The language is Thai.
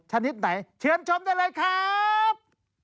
ชนิดไหนเชิญชมได้เลยครับ